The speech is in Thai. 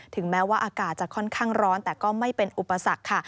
แม้ว่าอากาศจะค่อนข้างร้อนแต่ก็ไม่เป็นอุปสรรคค่ะ